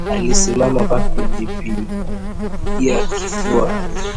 Alisimama na kujipigapiga kifua